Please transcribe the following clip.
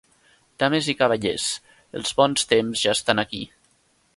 Dames i cavallers, els bons temps ja estan aquí!